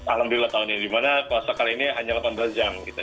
alhamdulillah tahun ini dimana puasa kali ini hanya delapan belas jam gitu